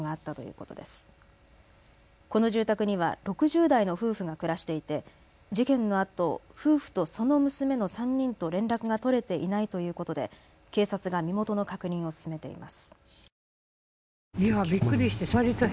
この住宅には６０代の夫婦が暮らしていて事件のあと夫婦とその娘の３人と連絡が取れていないということで警察が身元の確認を進めています。